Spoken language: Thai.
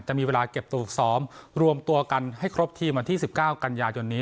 จะมีเวลาเก็บตัวฝึกซ้อมรวมตัวกันให้ครบทีมวันที่๑๙กันยายนนี้